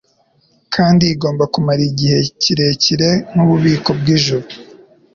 kandi igomba kumara igihe kirekire nkububiko bwijuru